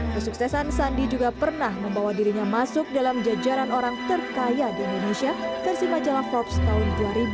kesuksesan sandi juga pernah membawa dirinya masuk dalam jajaran orang terkaya di indonesia versi majalah forbes tahun dua ribu